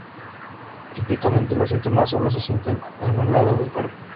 Típicamente, los síntomas sólo se sienten en un lado del cuerpo.